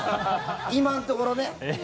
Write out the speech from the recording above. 今のところね。